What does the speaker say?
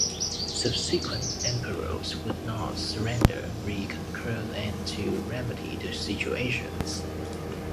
Subsequent emperors would not surrender the re-conquered land to remedy the situation.